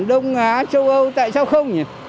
đông á châu âu tại sao không nhỉ